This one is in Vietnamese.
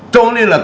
cho nên là